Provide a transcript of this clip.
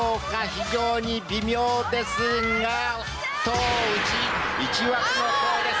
非常に微妙ですが１枠の方です